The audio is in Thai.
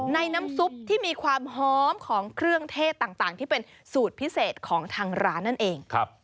น้ำซุปที่มีความหอมของเครื่องเทศต่างที่เป็นสูตรพิเศษของทางร้านนั่นเอง